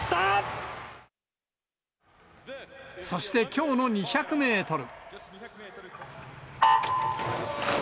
そして、きょうの２００メートル。